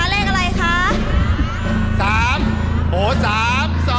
อันนั้นบอก๒